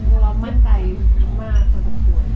ว่าเรามั่นใจมากสกัดพอ